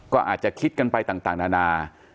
ก็อาจจะคิดกันไปต่างนานา